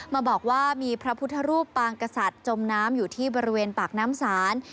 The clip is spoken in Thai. มาบอกว่ามีพระพุทธรูปปางกษัตริย์จมน้ำอยู่ที่บริเวณปากน้ำศาล